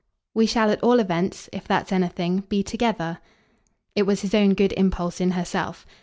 "We shall at all events if that's anything be together." It was his own good impulse in herself.